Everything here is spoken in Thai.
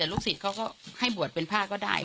ลูกศิษย์เขาก็ให้บวชเป็นพระก็ได้